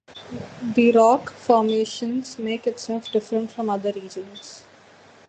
The rock formations make itself different from other regions.